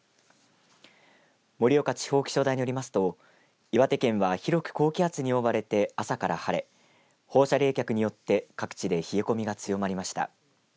盛岡地方気象台によりますと岩手県は広く高気圧に覆われて朝から晴れ放射冷却によって各地で冷え込みが強まりました。